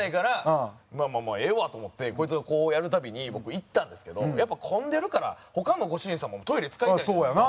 まあええわと思ってこいつがこうやるたびに僕行ったんですけどやっぱ混んでるから他のご主人様もトイレ使いたいんですよ。